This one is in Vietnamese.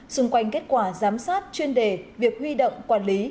xung quanh kết quả giám sát chuyên đề việc huy động quản lý